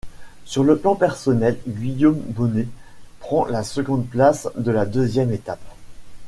Sur le plan personnel, Guillaume Bonnet prend la seconde place de la deuxième étape.